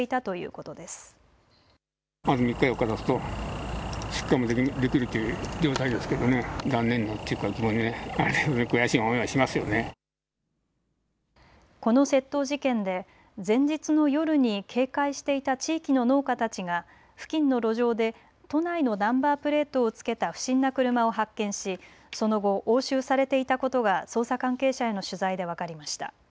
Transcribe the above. この窃盗事件で前日の夜に警戒していた地域の農家たちが付近の路上で都内のナンバープレートを付けた不審な車を発見し、その後押収されていたことが捜査関係者への取材で分かりました。